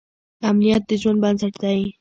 امنیت د ژوند بنسټ دی.